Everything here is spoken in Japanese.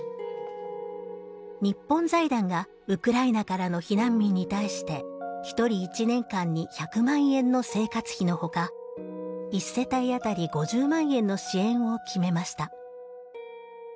日本財団がウクライナからの避難民に対して一人一年間に１００万円の生活費のほか一世帯当たり５０万円の支援を決めました。